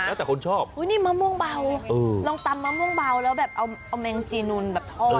แล้วแต่คนชอบอุ้ยนี่มะม่วงเบาลองตำมะม่วงเบาแล้วแบบเอาแมงจีนูนแบบทอด